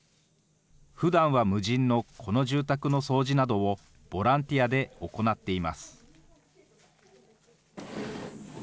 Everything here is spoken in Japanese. ふだんは無人のこの住宅の掃除などをボランティアで行っています。